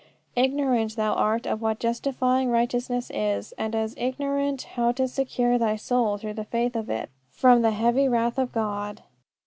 Ignorant thou art of what justifying righteousness is, and as ignorant how to secure thy soul through the faith of it from the heavy wrath of God.